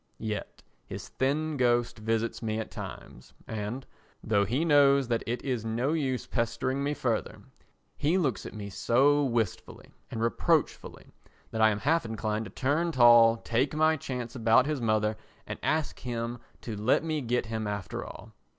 Yet his thin ghost visits me at times and, though he knows that it is no use pestering me further, he looks at me so wistfully and reproachfully that I am half inclined to turn tall, take my chance about his mother and ask him to let me get him after all.